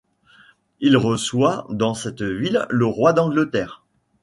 Il reçoit dans cette ville le roi d'Angleterre.